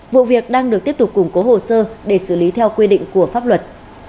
vụ việc đang được tiếp tục củng cố hồ sơ để xử lý theo quy định của pháp luật